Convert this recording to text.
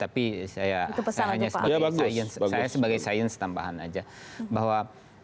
tapi saya sebagai sains tambahan saja